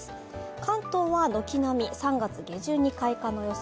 関東は軒並み３月下旬に開花の予想